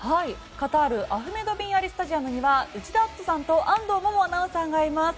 カタールアフメド・ビン・アリ・スタジアムには内田篤人さんと安藤萌々アナウンサーがいます。